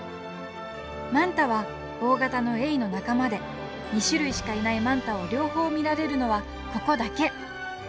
マンタは大型のエイの仲間で２種類しかいないマンタを両方見られるのはここだけ！